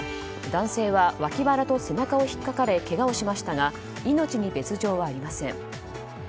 男性はわき腹と背中を引っかかれけがをしましたが命に別条はありません。